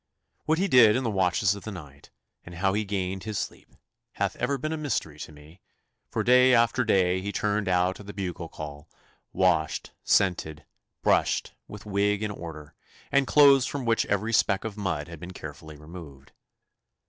What he did in the watches of the night, and how he gained his sleep, hath ever been a mystery to me, for day after day he turned out at the bugle call, washed, scented, brushed, with wig in order, and clothes from which every speck of mud had been carefully removed.